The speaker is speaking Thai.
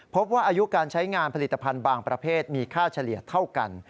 พบว่าอายุการใช้งานผลิตภัณฑ์บางประเภทมีค่าเฉลี่ยเท่ากัน